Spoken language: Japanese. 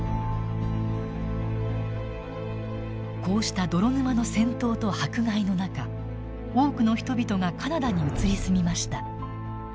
こうした泥沼の戦闘と迫害の中多くの人々がカナダに移り住みました。